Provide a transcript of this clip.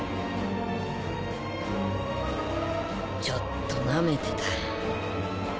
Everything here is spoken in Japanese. ちょっとなめてた。